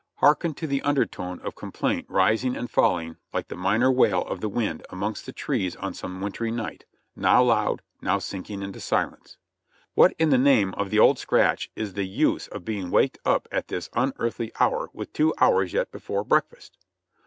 Hearken to the undertone of complaint rising and falling like the minor wail of the wind amongst the trees on some wintry night, now loud, now sinking into silence : "What in the name of the Old Scratch is the use of being waked up at this unearthly hour, with two hours yet before breakfast